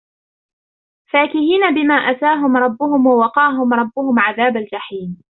فاكهين بما آتاهم ربهم ووقاهم ربهم عذاب الجحيم